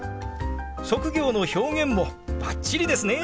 職業の表現もバッチリですね！